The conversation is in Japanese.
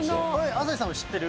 朝日さんも知ってる？